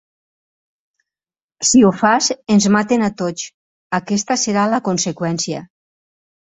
Si ho fas, ens maten a tots, aquesta serà la conseqüència.